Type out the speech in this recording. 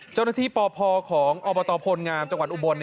เจ้านาที่ป่อของอบตพลงามจังหวัดอุบล